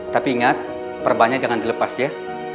tapi ingat perbannya jangan dilepas ya